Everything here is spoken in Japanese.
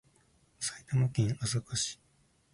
埼玉県朝霞市